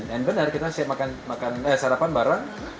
and bener kita siap makan sarapan bareng